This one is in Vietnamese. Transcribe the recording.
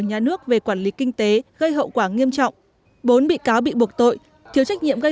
nhà nước về quản lý kinh tế gây hậu quả nghiêm trọng bốn bị cáo bị buộc tội thiếu trách nhiệm gây